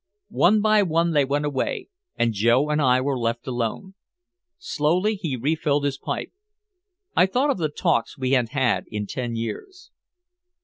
One by one they went away, and Joe and I were left alone. Slowly he refilled his pipe. I thought of the talks we had had in ten years.